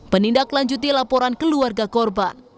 penindak lanjuti laporan keluarga korban